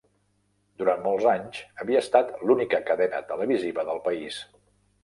Durant molts anys, havia estat l'única cadena televisiva del país.